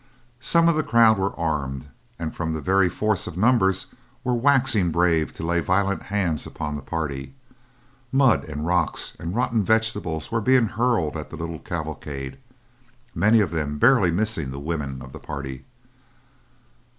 Some of the crowd were armed, and from very force of numbers were waxing brave to lay violent hands upon the party. Mud and rocks and rotten vegetables were being hurled at the little cavalcade, many of them barely missing the women of the party.